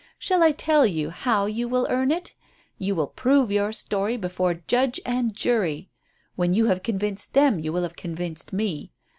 Shall I tell you how you will earn it? You will prove your story before judge and jury. When you have convinced them you will have convinced me.